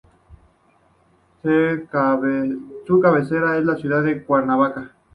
Su cabecera es la ciudad de Cuernavaca.